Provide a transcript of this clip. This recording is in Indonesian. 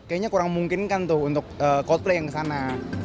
kayaknya kurang mungkin kan tuh untuk coldplay yang kesana